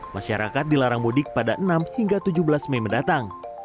masyarakat dilarang mudik pada enam hingga tujuh belas mei mendatang